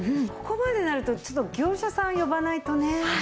ここまでになるとちょっと業者さん呼ばないとね。